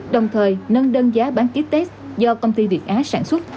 đồng thời nâng đơn giá bán ký test do công ty việt á sản xuất